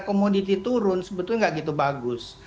komoditi turun sebetulnya nggak gitu bagus